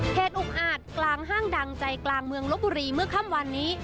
เหตุอุกอาจกลางห้างดังใจกลางเมืองลบบุรีเมื่อค่ำวันนี้